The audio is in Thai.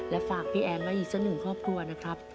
ฝากพี่แอนไว้อีกสักหนึ่งครอบครัวนะครับ